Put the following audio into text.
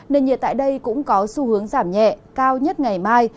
nền nhiệt tại đây cũng có xu hướng giảm nhẹ cao nhất ngày mai